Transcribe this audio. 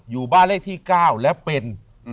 อยู่บ้านเลขที่๙แล้วเป็น